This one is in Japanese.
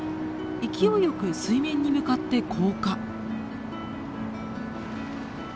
勢いよく水面に向かって降下。